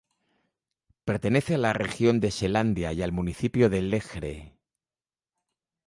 Pertenece a la región de Selandia y al municipio de Lejre.